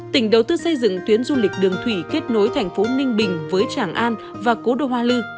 tỉnh đầu tư xây dựng tuyến du lịch đường thủy kết nối thành phố ninh bình với tràng an và cố đô hoa lư